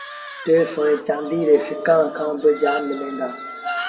ٽي سئو چآنديٚ ري سِڪآݩ کآݩ با جآم ملينٚ هآ